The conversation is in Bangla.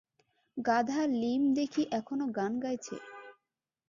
গাধা লীম দেখি এখনো গান গাইছে।